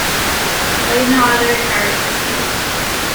I leave no other charge with you.